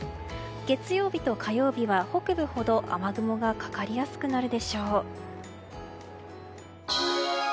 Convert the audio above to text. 月曜日と火曜日は北部ほど雨雲がかかりやすくなるでしょう。